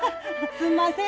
すんません。